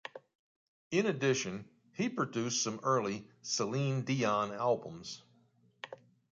In addition, he produced some early Celine Dion albums.